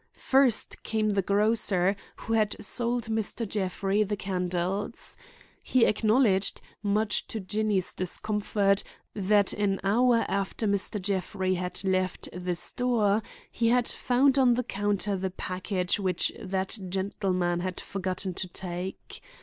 First came the grocer who had sold Mr. Jeffrey the candles. He acknowledged, much to Jinny's discomfort, that an hour after Mr. Jeffrey had left the store, he had found on the counter the package which that gentleman had forgotten to take.